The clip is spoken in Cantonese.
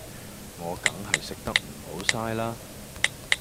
我梗係食得唔好嘥啦